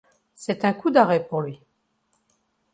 C'est un coup d'arrêt pour lui.